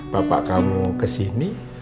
bapak kamu kesini